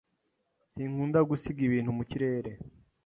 Sinkunda gusiga ibintu mu kirere.